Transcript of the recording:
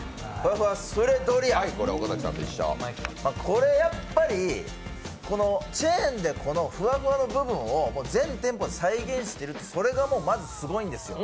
これ、やっぱりチェーンでこのフワフワの部分を全店舗で再現しているっていうそれがもうすごいんですよ。